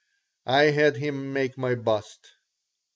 I had him make my bust.